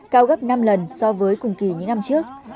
cao gấp năm lần so với cùng kỳ những năm trước